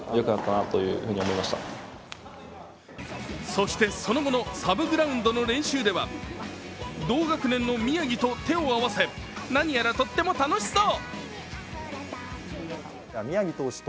そして、その後のサブグラウンドの練習では同学年の宮城と手を合わせ何やらとっても楽しそう。